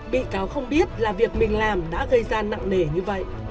bị cáo không biết là việc mình làm đã gây ra nặng nề như vậy